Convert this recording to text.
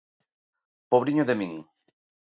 Pobriño de min!